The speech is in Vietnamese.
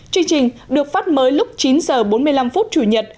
chương trình được phát mới lúc chín h bốn mươi năm chủ nhật